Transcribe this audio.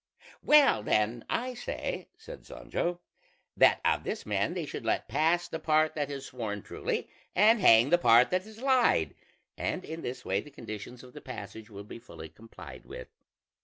"Well then, I say," said Sancho, "that of this man they should let pass the part that has sworn truly, and hang the part that has lied; and in this way the conditions of the passage will be fully complied with."